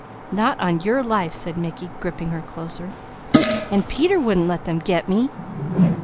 "Not on your life!" said Mickey, gripping her closer. "And Peter wouldn't let them 'get' me?"